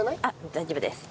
大丈夫です。